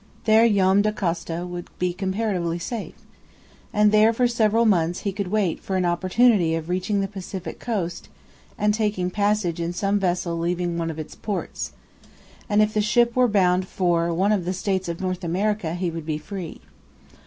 There Joam Dacosta would be comparatively safe, and there for several months he could wait for an opportunity of reaching the Pacific coast and taking passage in some vessel leaving one of its ports; and if the ship were bound for one of the States of North America he would be free.